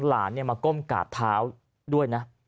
หลานเนี่ยมาก้มกาดเท้าด้วยนะ